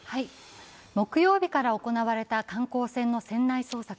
木曜日から行われた観光船の船内捜索。